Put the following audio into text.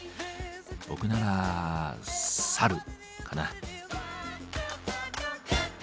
僕ならサルかな。